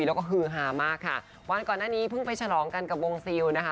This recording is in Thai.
แล้วก็ฮือฮามากค่ะวันก่อนหน้านี้เพิ่งไปฉลองกันกับวงซิลนะคะ